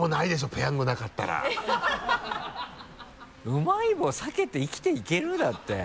「うまい棒」避けて生きていける？だって。